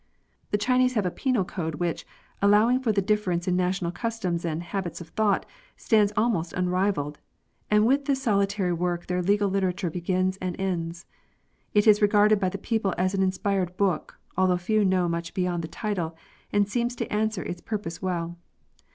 The Chinese have a penal code which, allowing for the difference in national customs and habits of thought, stands almost unrivalled ; and with this solitary work their legal literature begins and ends. It is regarded by the people as an inspired book, though few know much beyond the title, and seems to answer its pur pose well.